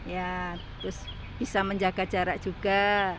ya terus bisa menjaga jarak juga